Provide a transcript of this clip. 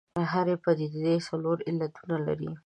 هرې پدیدې څلور علتونه لري.